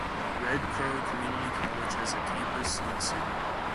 Red Crow Community College has a campus in the city.